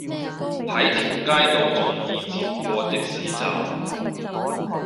喺條街度仲易截過的士站